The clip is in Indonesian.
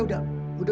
jodohin mereka berdua